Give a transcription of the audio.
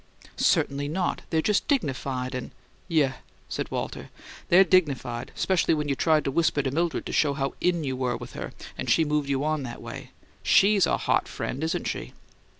"Certainly not. They're just dignified and " "Yeuh!" said Walter. "They're dignified, 'specially when you tried to whisper to Mildred to show how IN with her you were, and she moved you on that way. SHE'S a hot friend, isn't she!"